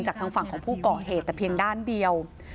ทางฝั่งของผู้ก่อเหตุแต่เพียงด้านเดียว